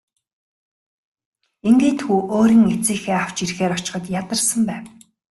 Ингээд хүү өөрийн эцэг эхээ авч ирэхээр очиход ядарсан байв.